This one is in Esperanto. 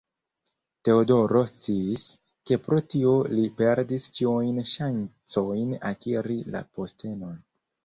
Teodoro sciis, ke pro tio li perdis ĉiujn ŝancojn akiri la postenon.